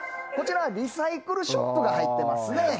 こちらリサイクルショップが入ってますね。